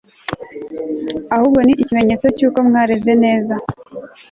ahubwo ni ikimenyetso cy'uko mwareze neza